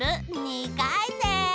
２かいせん！